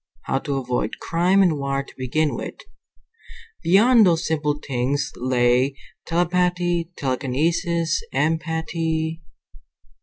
How to avoid crime and war to begin with. Beyond those simple things lay telepathy, telekinesis, empathy....